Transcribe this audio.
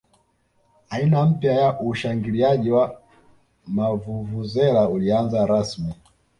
aina mpya ya ushangiliaji wa mavuvuzela ulianza rasmi